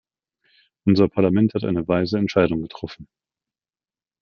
Unser Parlament hat eine weise Entscheidung getroffen.